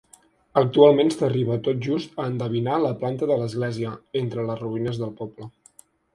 Actualment s'arriba tot just a endevinar la planta de l'església, entre les ruïnes del poble.